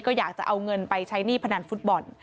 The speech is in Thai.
ก็อยากจะเอาเงินไปใช้หนี้พนันฟุตบอล